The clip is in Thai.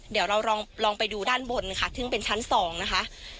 เดี๋ยวเราลองไปดูด้านบนค่ะซึ่งเป็นชั้น๒นะคะ